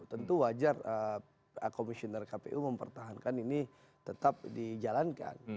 tentu wajar komisioner kpu mempertahankan ini tetap dijalankan